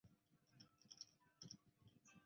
常见于日本动漫业界。